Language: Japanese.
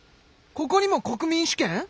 ここにも国民主権？